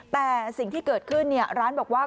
แต่สิ่งที่เกิดขึ้นร้านบอกว่า